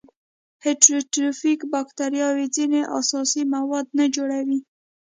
هیټروټروفیک باکتریاوې ځینې اساسي مواد نه جوړوي.